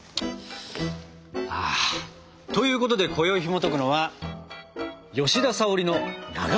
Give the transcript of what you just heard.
あということでこよひもとくのは「吉田沙保里のなが」。